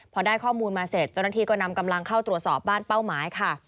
พอได้ข้อมูลมาเสร็จเจ้าหน้าที่ก็นำกำลังเข้าตรวจสอบบ้านเป้าหมายค่ะ